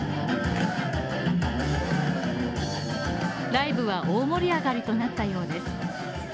ライブは大盛り上がりとなったようです。